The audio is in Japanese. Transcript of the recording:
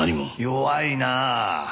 弱いなあ。